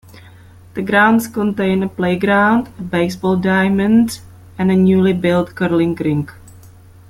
The grounds contain a playground, a baseball diamond and a newly built curling rink.